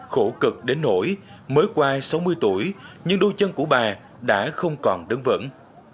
khổ cực đến nổi mới qua sáu mươi tuổi nhưng đôi chân của bà đã không còn đứng vững